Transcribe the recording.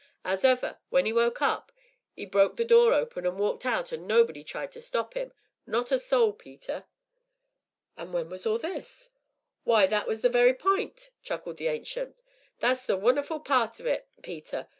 'Ows'ever, when 'e woke up 'e broke the door open, an' walked out, an' nobody tried to stop 'im not a soul, Peter." "And when was all this?" "Why, that's the very p'int," chuckled the Ancient, "that's the wonnerful part of it, Peter.